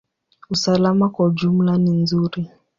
Usalama kwa ujumla ni nzuri.